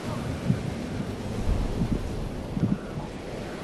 其子阮文馨为越南国军将领。